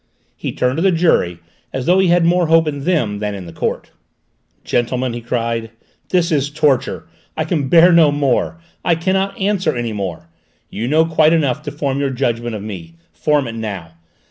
He turned to the jury, as though he had more hope in them than in the court. "Gentlemen," he cried, "this is torture! I can bear no more! I cannot answer any more. You know quite enough to form your judgment of me! Form it now!